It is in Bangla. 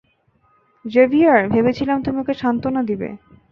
জেভিয়ার, ভেবেছিলাম তুমি ওকে সান্ত্বনা দিবে।